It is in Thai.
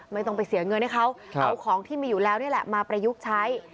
ไม่ต้องไปเสียเงินให้เขาเอาของที่มีอยู่แล้วนี่แหละมาประยุกต์ใช้